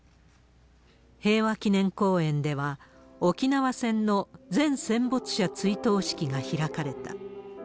平和祈念公園では、沖縄戦の全戦没者追悼式が開かれた。